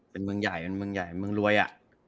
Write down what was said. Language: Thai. เป็นเมืองใหญ่เป็นเมืองรวยอ่ะ